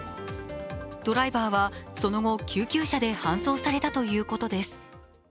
ドライバーはその後、救急車で搬送されたということです。